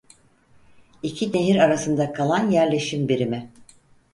İki nehir arasında kalan yerleşim birimi.